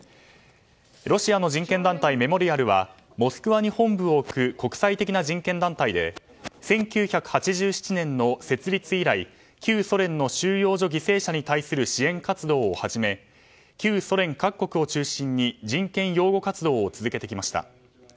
ロシアの人権団体メモリアルはモスクワに本部を置く国際的な人権団体で１９８７年の設立以来旧ソ連の収容所犠牲者に対する支援活動をはじめ旧ソ連各国をはじめ人権擁護活動を続けてきました。